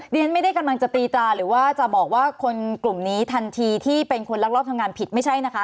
เรียนไม่ได้กำลังจะตีตราหรือว่าจะบอกว่าคนกลุ่มนี้ทันทีที่เป็นคนรักรอบทำงานผิดไม่ใช่นะคะ